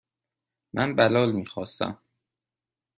من بلال میخواستم.